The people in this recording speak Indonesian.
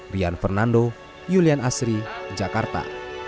rian fernando julian asri jakarta